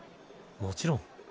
もちろん。